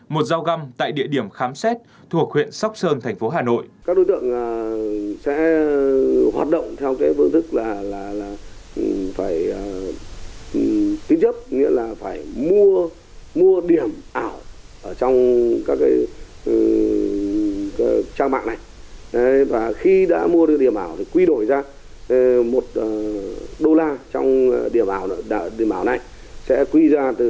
một giao găm tại địa điểm khám xét thuộc huyện sóc sơn thành phố hà nội